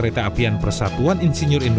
jembatan bentang lrt